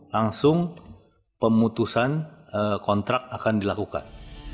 langsung pemutusan kontrak akan dilakukan